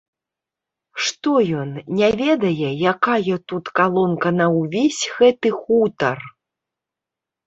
Што ён, не ведае, якая тут калонка на ўвесь гэты хутар?